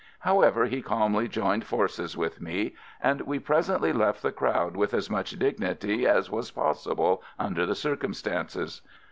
However, he calmly joined forces with me — and we presently left the crowd with as much dignity as was possible under the circumstances.